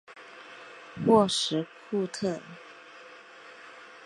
沃什库特。